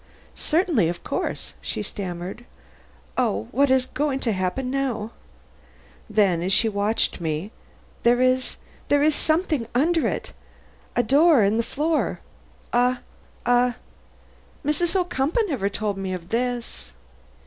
"Certainly, of course," she stammered. "Oh, what is going to happen now?" Then as she watched me: "There is there is something under it. A door in the floor a a Mrs. Ocumpaugh never told me of this."